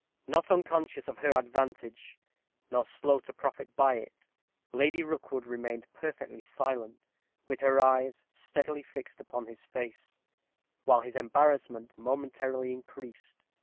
Not unconscious of her advantage, nor slow to profit by it, Lady Rookwood remained perfectly silent, with her eyes steadily fixed upon his face, while his embarrassment momentarily increased.